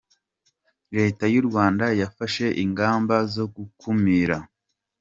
Leta y’u Rwanda yafashe ingamba zo gukumira.